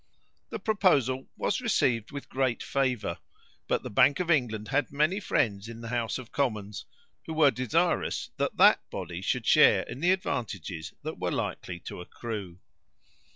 The proposal was received with great favour; but the Bank of England had many friends in the House of Commons, who were desirous that that body should share in the advantages that were likely to accrue.